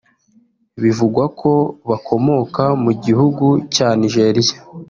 bivugwako bakomoka mu gihugu cya Nigeria